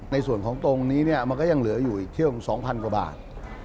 ในส่วนของตรงนี้เนี่ยมันก็ยังเหลืออยู่อีกเที่ยว๒๐๐กว่าบาท